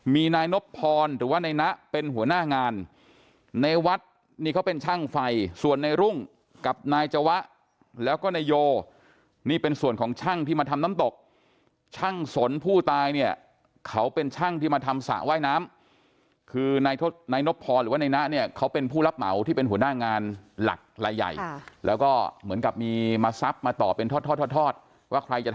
มีนายนบพรหรือว่าในนะเป็นหัวหน้างานในวัดนี่เขาเป็นช่างไฟส่วนในรุ่งกับนายจวะแล้วก็นายโยนี่เป็นส่วนของช่างที่มาทำน้ำตกช่างสนผู้ตายเนี่ยเขาเป็นช่างที่มาทำสระว่ายน้ำคือนายนบพรหรือว่าในนะเนี่ยเขาเป็นผู้รับเหมาที่เป็นหัวหน้างานหลักลายใหญ่แล้วก็เหมือนกับมีมาทรัพย์มาต่อเป็นทอดทอดทอดว่าใครจะ